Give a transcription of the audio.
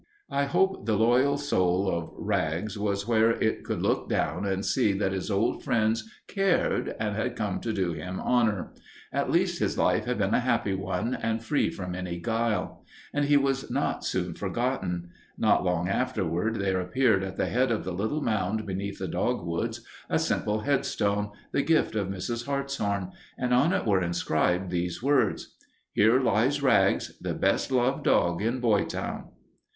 I hope the loyal soul of Rags was where it could look down and see that his old friends cared and had come to do him honor. At least his life had been a happy one and free from any guile. And he was not soon forgotten. Not long afterward there appeared at the head of the little mound beneath the dogwoods a simple headstone, the gift of Mrs. Hartshorn, and on it were inscribed these words: HERE LIES RAGS The Best Loved Dog in Boytown.